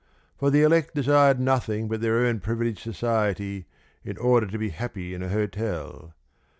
For the elect desired nothing but their own privileged society in order to be happy in a hotel.